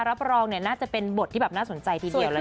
รับรองน่าจะเป็นบทที่แบบน่าสนใจทีเดียวเลย